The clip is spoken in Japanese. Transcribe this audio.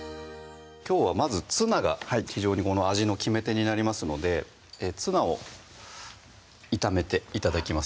きょうはまずツナが非常にこの味の決め手になりますのでツナを炒めて頂きます